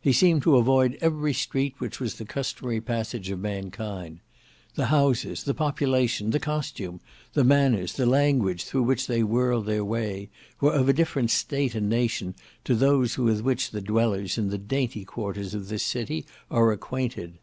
He seemed to avoid every street which was the customary passage of mankind. The houses, the population, the costume, the manners, the language through which they whirled their way, were of a different state and nation to those with which the dwellers in the dainty quarters of this city are acquainted.